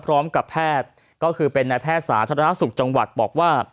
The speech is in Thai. พร้อมกับแพทย์ก็คือเป็นนายแพทย์สาธารณสุขจังหวัดบอกว่า